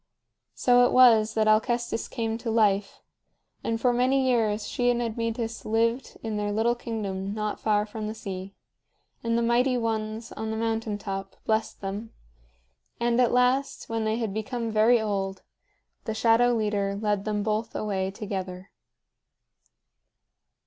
So it was that Alcestis came to life; and for many years she and Admetus lived in their little kingdom not far from the sea; and the Mighty Ones on the mountain top blessed them; and, at last, when they had become very old, the Shadow Leader led them both away together.